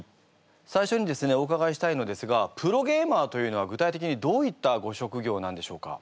最初にですねおうかがいしたいのですがプロゲーマーというのは具体的にどういったご職業なんでしょうか？